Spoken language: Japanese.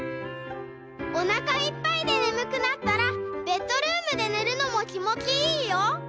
「おなかいっぱいでねむくなったらベッドルームでねるのもきもちいいよ。